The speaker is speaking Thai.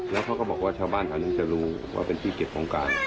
แล้วเขาก็บอกว่าชาวบ้านแถวนั้นจะรู้ว่าเป็นที่เก็บของกลาง